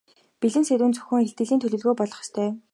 Бэлэн сэдэв нь зөвхөн илтгэлийн төлөвлөгөө болох ёстой.